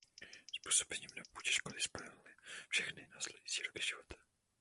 S působením na půdě školy spojil všechny následující roky života.